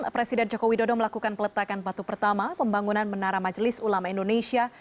presiden joko widodo melakukan peletakan batu pertama pembangunan menara majelis ulama indonesia